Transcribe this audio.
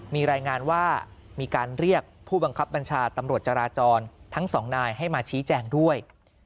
มีรายงานว่ามีการเรียกผู้บังคับบัญชาตำรวจจราจรทั้งสองนายให้มาชี้แจงด้วย